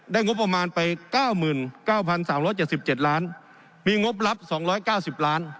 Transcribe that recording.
ได้งบประมาณไปเก้าหมื่นเก้าพันสามร้อยเจ็ดสิบเจ็ดล้านมีงบรับสองร้อยเก้าสิบล้าน